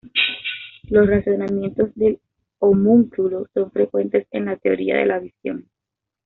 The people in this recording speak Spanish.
Los razonamientos del homúnculo son frecuentes en la teoría de la visión.